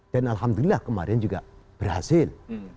alhamdulillah kemarin juga berhasil